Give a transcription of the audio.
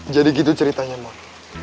jadi gitu ceritanya mon